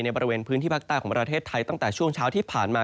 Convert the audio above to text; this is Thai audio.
บริเวณพื้นที่ภาคใต้ของประเทศไทยตั้งแต่ช่วงเช้าที่ผ่านมา